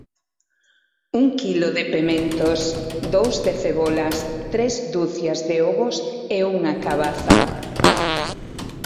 Un quilo de pementos, dous de cebolas, tres dúcias de ovos e unha cabaza